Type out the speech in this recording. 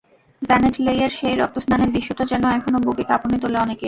Janet লেইয়ের সেই রক্তস্নানের দৃশ্যটা যেন এখনো বুকে কাঁপুনি তোলে অনেকের।